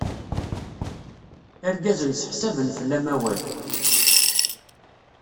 Irgazen seḥsaben fell-am awal.